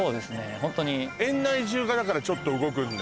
ホントに園内中がだからちょっと動くんだ